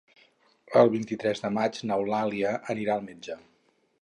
El vint-i-tres de maig n'Eulàlia anirà al metge.